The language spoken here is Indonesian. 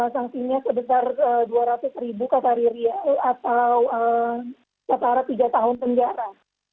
sangsinya sebesar dua ratus ribu ke pariria atau setara tiga tahun penjara